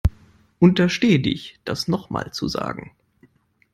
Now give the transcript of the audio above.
Unterstehe dich das nochmal zu sagen.